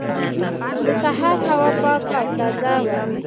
د سهار هوا پاکه او تازه وه.